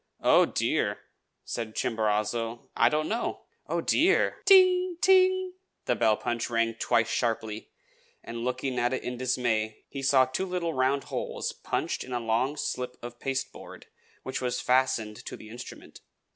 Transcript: "Oh, dear!" said Chimborazo, "I don't know. Oh, dear!" "Ting! ting!" the bell punch rang twice sharply; and looking at it in dismay, he saw two little round holes punched in a long slip of pasteboard which was fastened to the instrument.